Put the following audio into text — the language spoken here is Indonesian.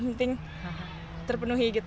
mending terpenuhi gitu